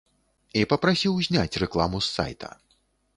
І папрасіў зняць рэкламу з сайта.